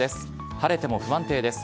晴れても不安定です。